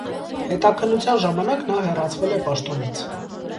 Հետաքննության ժամանակ նա հեռացվել է պաշտոնից։